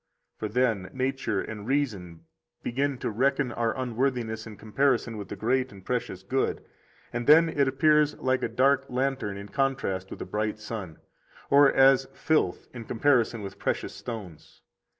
56 For then nature and reason begin to reckon our unworthiness in comparison with the great and precious good; and then it appears like a dark lantern in contrast with the bright sun, or as filth in comparison with precious stones.